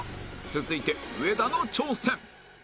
続いて上田の挑戦